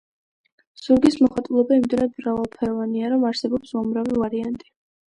ზურგის მოხატულობა იმდენად მრავალფეროვანია, რომ არსებობს უამრავი ვარიანტი.